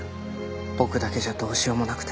僕だけじゃどうしようもなくて。